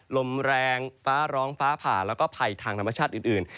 ลมแรงฟ้าร้องฟ้าผ่าแล้วก็ภัยทางธรรมชาติอื่น